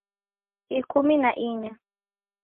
Ikumi na inya